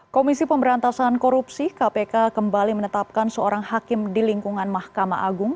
komisi pemberantasan korupsi kpk kembali menetapkan seorang hakim di lingkungan mahkamah agung